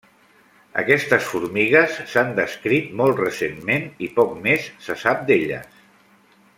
Aquestes formigues s'han descrit molt recentment i poc més se sap d'elles.